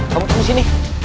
sejangung sama aku